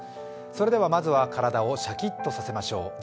まずは体をシャキッとさせましょう。